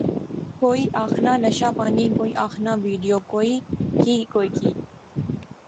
کوئی آخنا نشہ پانی، کوِئی آخنا وڈیو۔۔۔ کوئی کی کوئی کی